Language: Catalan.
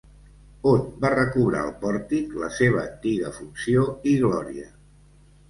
On va recobrar el pòrtic la seva antiga funció i glòria?